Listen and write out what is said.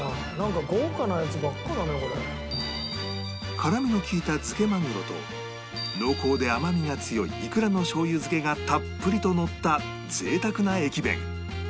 辛みの利いた漬けまぐろと濃厚で甘みが強いイクラのしょう油漬けがたっぷりとのった贅沢な駅弁